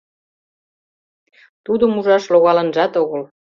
Тудым ужаш логалынжат огыл.